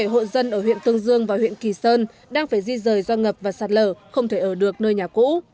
bảy hộ dân ở huyện tương dương và huyện kỳ sơn đang phải di rời do ngập và sạt lở không thể ở được nơi nhà cũ